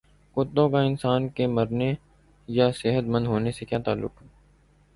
کتوں کا انسان کے مرنے یا صحت مند ہونے سے کیا تعلق